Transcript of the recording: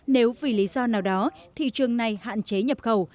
nếu vì lý do nào đó thị trường này hạn chế nhập khẩu